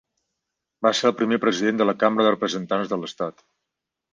Va ser el primer president de la Cambra de Representants de l'estat.